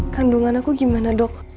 kandungan aku gimana dok